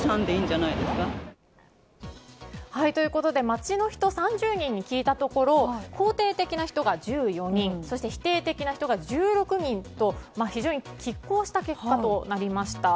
街の人３０人に聞いたところ肯定的な人が１４人否定的な人が１６人と非常に拮抗した結果となりました。